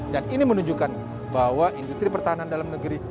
dan ini menunjukkan bahwa industri pertahanan dalam negeri